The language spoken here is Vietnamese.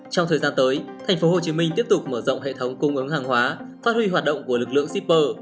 trong thời gian tới tp hcm tiếp tục mở rộng hệ thống cung ứng hàng hóa phát huy hoạt động của lực lượng shipper